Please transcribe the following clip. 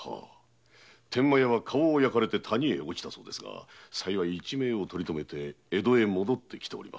天満屋は顔を焼かれて谷に落ちたそうですが幸い一命を取り留めて江戸へ戻ってきております。